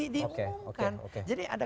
diunggungkan jadi ada